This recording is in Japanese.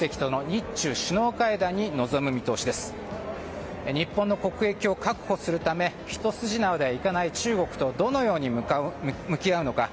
日本の国益を確保するため一筋縄ではいかない中国とどのように向き合うのか。